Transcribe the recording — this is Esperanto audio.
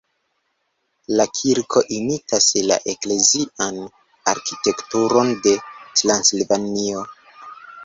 La kirko imitas la eklezian arkitekturon de Transilvanio.